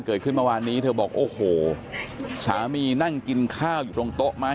เกิดขึ้นเมื่อวานนี้เธอบอกโอ้โหสามีนั่งกินข้าวอยู่ตรงโต๊ะไม้